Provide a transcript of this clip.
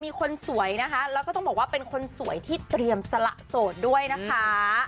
มีคนสวยนะคะแล้วก็ต้องบอกว่าเป็นคนสวยที่เตรียมสละโสดด้วยนะคะ